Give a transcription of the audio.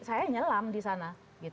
saya nyelam di sana